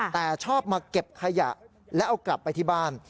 แต่ชอบมาเก็บขยะแล้วเอากลับไปที่บ้าน